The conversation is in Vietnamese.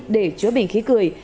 để chữa bình khí cười